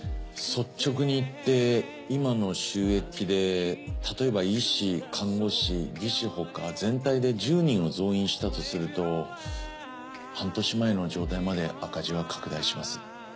率直に言って今の収益で例えば医師看護師技師他全体で１０人を増員したとすると半年前の状態まで赤字が拡大します。